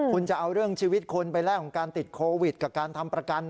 คุณจะเอาเรื่องชีวิตคนไปแลกของการติดโควิดกับการทำประกัน